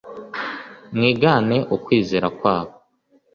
Mwigane ukwizera kwabo